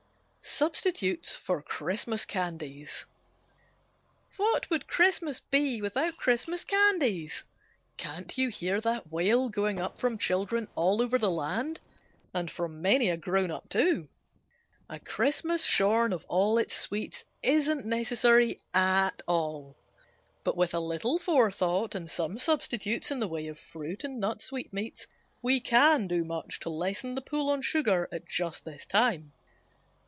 Substitutes for Christmas Candies "What would Christmas be without Christmas candies!" Can't you hear that wail going up from children all over the land? And from many a grown up, too. A Christmas shorn of all its sweets isn't necessary at all. But with a little forethought and some substitutes in the way of fruit and nut sweetmeats, we can do much to lessen the pull on sugar at just this time.